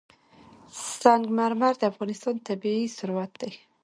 سنگ مرمر د افغانستان طبعي ثروت دی.